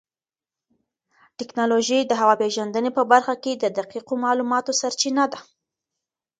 ټیکنالوژي د هوا پېژندنې په برخه کې د دقیقو معلوماتو سرچینه ده.